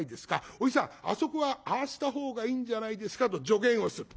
おじさんあそこはああしたほうがいいんじゃないですか」と助言をする。